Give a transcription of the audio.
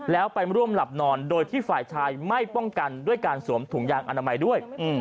แล้วไปร่วมหลับนอนโดยที่ฝ่ายชายไม่ป้องกันด้วยการสวมถุงยางอนามัยด้วย